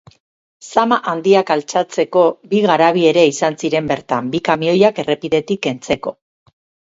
Zama handiak altxatzeko bi garabi ere izan ziren bertan bi kamioiak errepidetik kentzeko.